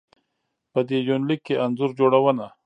په دې يونليک کې انځور جوړونه